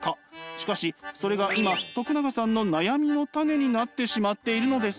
しかしそれが今永さんの悩みの種になってしまっているのです。